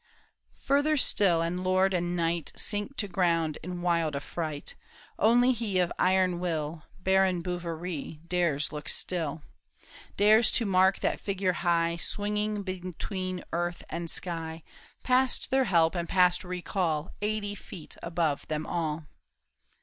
Further still, and lord and knight Sink to ground in wild affright ; Only he of iron will. Baron Bouverie, dares look still, Dares to mark that figure high, . Swinging between earth and sky. Past their help and past recall, Eighty feet above them all.